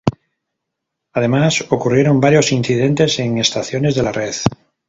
Además, ocurrieron varios incidentes en estaciones de la red.